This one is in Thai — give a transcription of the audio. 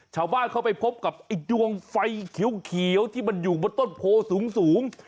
ชาวบ้านเข้าไปพบกับไอ้ดวงไฟเขียวที่มันอยู่บนต้นโพสูง